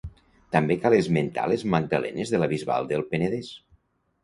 També cal esmentar les magdalenes de la Bisbal del Penedès.